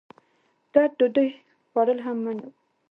ګډ ډوډۍ خوړل هم منع وو.